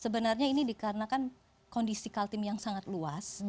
sebenarnya ini dikarenakan kondisi kaltim yang sangat luas